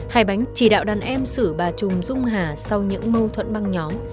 hải bánh chỉ đạo đàn em xử bà trùm dung hà sau những mâu thuẫn băng nhóm